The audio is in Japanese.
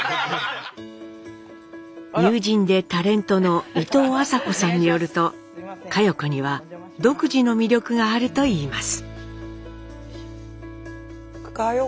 友人でタレントのいとうあさこさんによると佳代子には独自の魅力があるといいます。